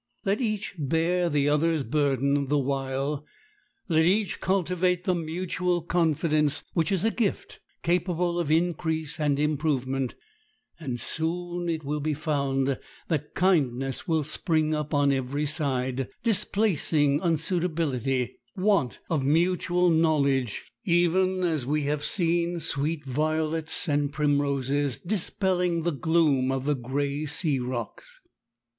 Let each bear the other's burden the while; let each cultivate the mutual confidence which is a gift capable of increase and improvement, and soon it will be found that kindness will spring up on every side, displacing unsuitability, want of mutual knowledge, even as we have seen sweet violets and primroses dispelling the gloom of the gray sea rocks.